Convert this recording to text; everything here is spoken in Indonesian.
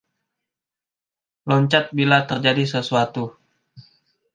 Loncat bila terjadi sesuatu.